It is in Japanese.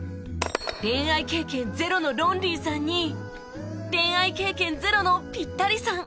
恋愛経験ゼロのロンリーさんに恋愛経験ゼロのピッタリさん